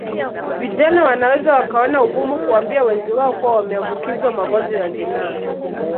Vijana wanaweza wakaona ugumu kuwaambia wenzi wao kuwa wameambukizwa magonjwa ya zinaa